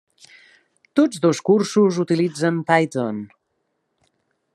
Tots dos cursos utilitzen Python.